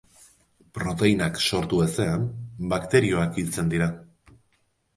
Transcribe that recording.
Proteinak sortu ezean, bakterioak hiltzen dira.